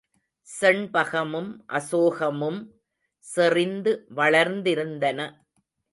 செண்பகமும் அசோகமும் செறிந்து வளர்ந்திருந்தன.